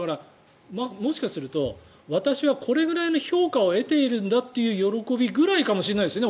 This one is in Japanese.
もしかすると私はこれぐらいの評価を得ているんだという喜びぐらいかもしれないですね